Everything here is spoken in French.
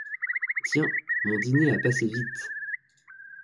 Tiens ! mon dîner a passé vite.